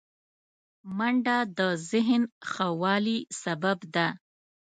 منډه د ذهن ښه والي سبب ده